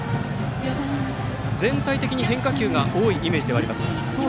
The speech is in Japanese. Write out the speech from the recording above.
全体的に変化球が多いイメージではありますが。